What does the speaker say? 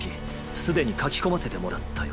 すでに「書き込ませて」もらったよ。